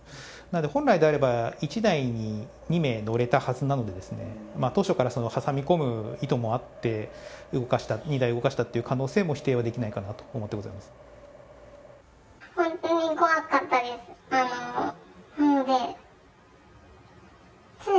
なんで本来であれば、１台に２名乗れてたはずなので、当初から挟み込む意図もあって、２台動かしたという可能性も否定はできないかなと思ってございま本当に怖かったです。